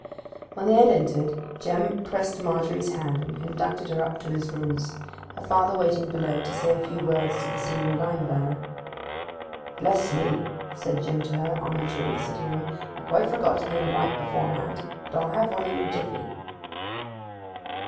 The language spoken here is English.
When they had entered Jim pressed Margery's hand and conducted her up to his rooms, her father waiting below to say a few words to the senior lime burner. 'Bless me,' said Jim to her, on entering the sitting room; 'I quite forgot to get a light beforehand; but I'll have one in a jiffy.